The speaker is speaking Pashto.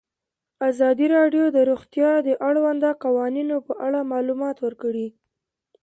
ازادي راډیو د روغتیا د اړونده قوانینو په اړه معلومات ورکړي.